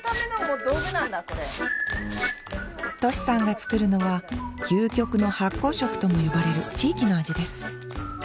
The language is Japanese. としさんが作るのは究極の発酵食とも呼ばれる地域の味です。